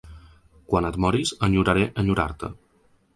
“Quan et moris, enyoraré enyorar-te”.